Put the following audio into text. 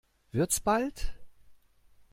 Wird's bald?